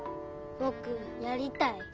ぼくやりたい。